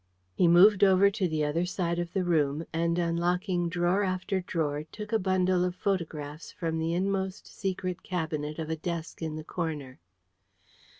He moved over to the other side of the room, and unlocking drawer after drawer, took a bundle of photographs from the inmost secret cabinet of a desk in the corner.